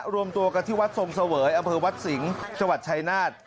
รวมตัวกันที่วัดทรงเสวยอำเภอวัดสิงห์จังหวัดชายนาฏ